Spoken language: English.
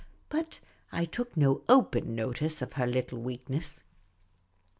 But I took no open notice of her little weakness.